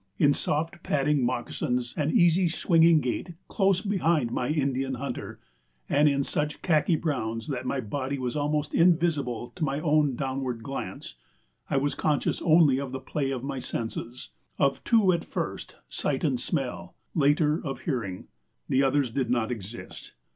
In soft padding moccasins and easy swinging gait, close behind my Indian hunter, and in such khaki browns that my body was almost invisible to my own downward glance, I was conscious only of the play of my senses: of two at first, sight and smell; later, of hearing. The others did not exist.